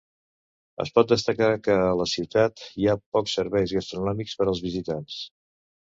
Es pot destacar que a la ciutat hi ha pocs serveis gastronòmics per als visitants.